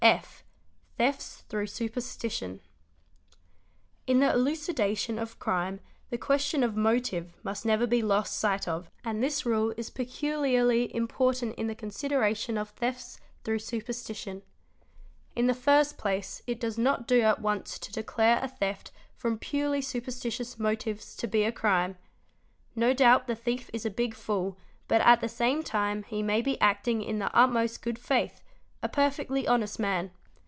} F, Thefts through superstition. In the elucidation of crime the question of 'motive must never be lost — sight of and this rule is peculiarly important in the consideration of thefts through superstition. In the first place it does not do at once to declare — a theft from purely superstitious motives to be a crime. No doubt the — thief is a big fool but at the same time he may be acting in the utmost ; good faith, a perfectly honest man.